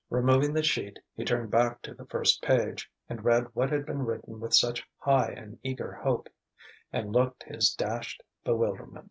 Removing the sheet, he turned back to the first page, and read what had been written with such high and eager hope; and looked his dashed bewilderment.